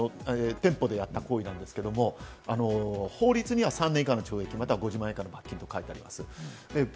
店舗でやった行為なんですけれども、法律には３年以下の懲役または５０万円以下の罰金と書いてあります。